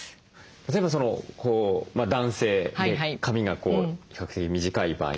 例えば男性で髪が比較的短い場合ですね